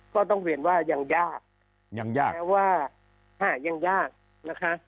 ก็ต้องเรียนว่ายังยากยังยากแม้ว่าหายังยากนะคะ